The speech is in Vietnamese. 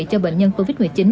cho bệnh nhân covid một mươi chín